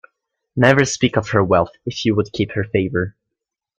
Never speak of her wealth, if you would keep her favour.